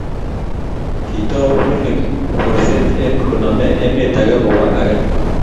kiitou bunyik borset age koname emet age kowa age.